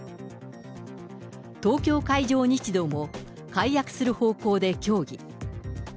東京海上日動も、解約する方向で協議。